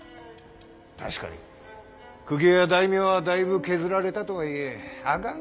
確かに公家や大名はだいぶ削られたとはいえあがん